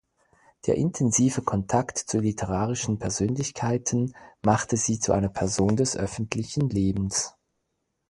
Der intensive Kontakt zu literarischen Persönlichkeiten machte sie zu einer Person des öffentlichen Lebens.